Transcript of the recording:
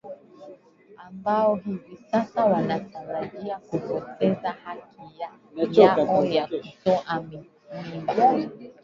ambao hivi sasa wanatarajia kupoteza haki ya yao ya kutoa mimba